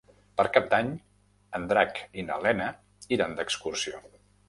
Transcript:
Per Cap d'Any en Drac i na Lena iran d'excursió.